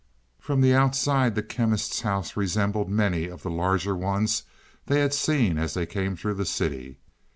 From the outside, the Chemist's house resembled many of the larger ones they had seen as they came through the city.